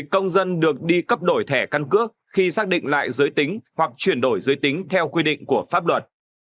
công dân được đi cấp đổi thẻ căn cước khi xác định lại giới tính hoặc chuyển đổi giới tính theo quy định của pháp luật